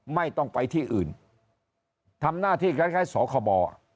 ไม่ต้องไปที่อื่นทำหน้าที่คล้ายสคบ